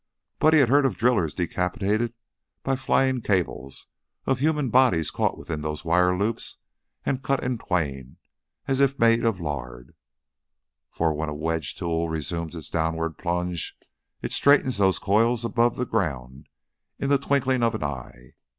Buddy had heard of drillers decapitated by flying cables, of human bodies caught within those wire loops and cut in twain as if made of lard, for when a wedged tool resumes its downward plunge it straightens those coils above ground in the twinkling of an eye.